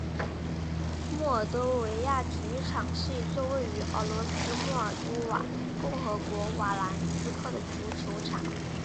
莫尔多维亚体育场是一座位于俄罗斯莫尔多瓦共和国萨兰斯克的足球场。